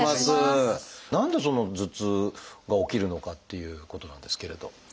何でその頭痛が起きるのかっていうことなんですけれど。